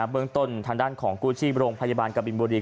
เมืองต้นทางด้านของกู้ชีพโรงพยาบาลกบินบุรี